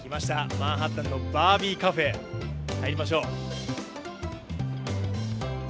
マンハッタンのバービーカフェ、入りましょう。